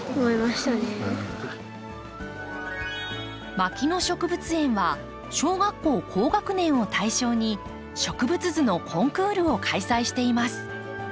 牧野植物園は小学校高学年を対象に植物図のコンクールを開催しています。